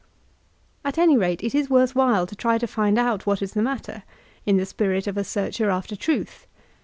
At any rate, it is worth while to try to find out what is the matter, in the spirit of a searcher after truth.